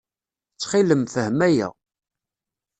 Ttxil-m, fhem aya.